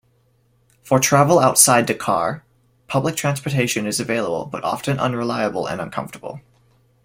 For travel outside Dakar, public transportation is available but often unreliable and uncomfortable.